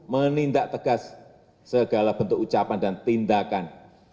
menindak tegas segala bentuk ucapan dan tindakan